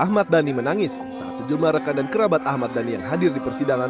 ahmad dhani menangis saat sejumlah rekan dan kerabat ahmad dhani yang hadir di persidangan